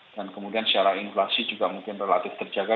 dan kemudian secara inflasi juga mungkin relatif terjaga